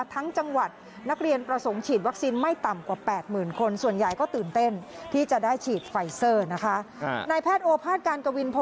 ทั้งจังหวัดนักเรียนประสงค์ฉีดวัคซีนไม่ต่ำกว่า๘๐๐๐๐คน